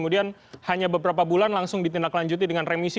kemudian hanya beberapa bulan langsung ditindaklanjuti dengan remisi